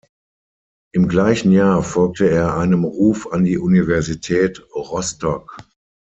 Im gleichen Jahr folgte er einem Ruf an die Universität Rostock.